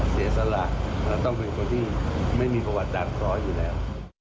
เสียสละต้องเป็นคนที่ไม่มีประวัติด่างเคราะห์อยู่แล้ว